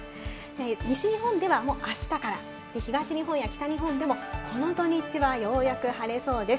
西日本ではもうあしたから東日本や北日本でもこの土日はようやく晴れそうです。